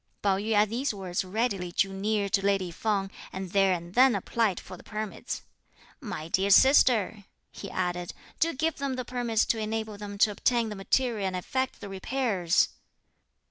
Pao yü at these words readily drew near to lady Feng, and there and then applied for the permits. "My dear sister," he added, "do give them the permits to enable them to obtain the material and effect the repairs."